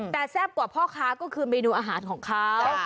แต่แซ่บกว่าพ่อค้าก็คือเมนูอาหารของเขา